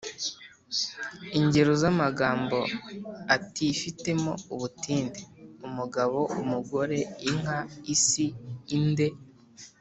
Ingero z’amagambo atifitemo ubutinde : Umugabo, umugore, inka, isi, inde ?